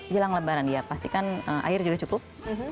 jelang lebaran dia pastikan air juga cukup